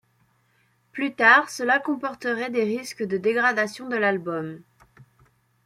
Plus tard, cela comporterait des risques de dégradations de l'album.